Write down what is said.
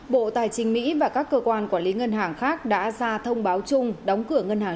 bộ tài chính mỹ và các cơ quan quản lý ngân hàng khác đã ra thông báo chung đóng cửa ngân hàng